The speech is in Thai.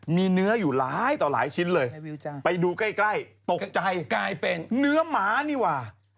มีเนื้ออยู่หลายต่อหลายชิ้นเลยไปดูใกล้ตกใจกลายเป็นเนื้อหมานี่ว่า